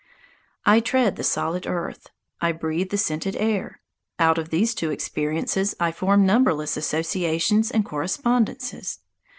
I tread the solid earth; I breathe the scented air. Out of these two experiences I form numberless associations and correspondences.